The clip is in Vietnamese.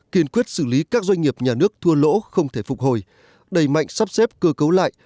kiên quyết xử lý các doanh nghiệp nhà nước thua lỗ không thể phục hồi đẩy mạnh sắp xếp cơ cấu lại